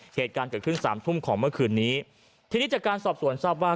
เหตุการณ์เกิดขึ้นสามทุ่มของเมื่อคืนนี้ทีนี้จากการสอบสวนทราบว่า